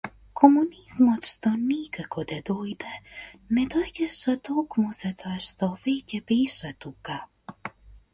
Комунизмот што никако да дојде, не доаѓаше токму затоа што веќе беше тука.